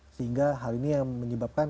sehingga hal ini yang menyebabkan